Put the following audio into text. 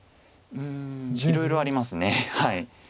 うんいろいろあります。